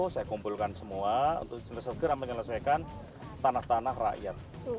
saya kumpulkan semua untuk segera menyelesaikan tanah tanah rakyat